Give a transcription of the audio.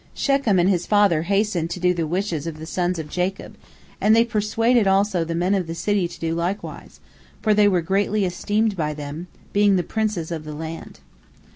Shechem and his father hastened to do the wishes of the sons of Jacob, and they persuaded also the men of the city to do likewise, for they were greatly esteemed by them, being the princes of the land.